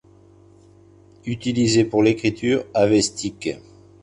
Utilisés pour l’écriture avestique.